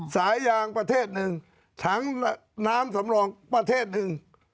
สายยางประเทศหนึ่งถังน้ำสำรองประเทศหนึ่ง